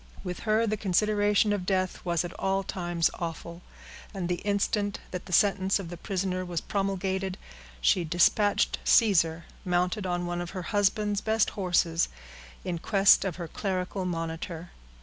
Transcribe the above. With her, the consideration of death was at all times awful, and the instant that the sentence of the prisoner was promulgated, she dispatched Caesar, mounted on one of her husband's best horses, in quest of her clerical monitor.